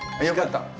よかった。